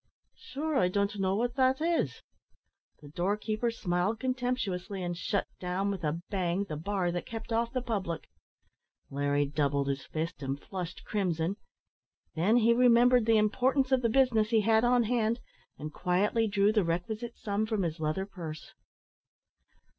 "Sure I don't know what that is." The doorkeeper smiled contemptuously, and shut down with a bang the bar that kept off the public. Larry doubled his fist, and flushed crimson; then he remembered the importance of the business he had on hand, and quietly drew the requisite sum from his leather purse.